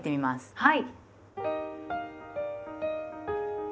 はい。